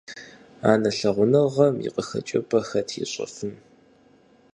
Анэ лъагъуныгъэм и къыхэкӀыпӀэр хэт ищӀэфын.